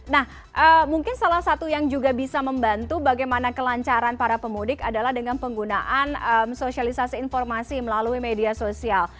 nah mungkin salah satu yang juga bisa membantu bagaimana kelancaran para pemudik adalah dengan penggunaan sosialisasi informasi melalui media sosial